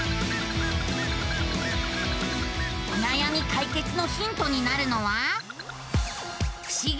おなやみ解決のヒントになるのは。